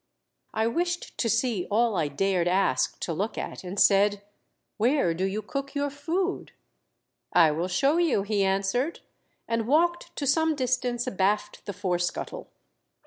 I wished to see all I dared ask to look at, iind said, " Where do you cook your food .'*"I will show you," he answered, and THE DEATH SHIPS FORECASTLE. 223 walked to some distance abaft the fore scuttle.